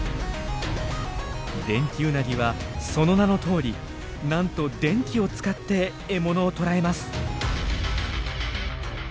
デンキウナギはその名のとおりなんと電気を使って獲物を捕らえます。